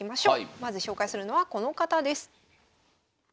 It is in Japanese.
まず紹介するのはこの方です。